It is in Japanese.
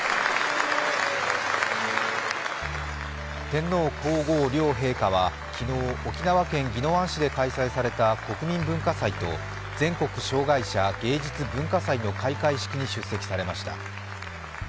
天皇皇后両陛下は昨日、沖縄県宜野湾市で開催された国民文化祭と全国障害者芸術・文化祭の開会式に出席されました。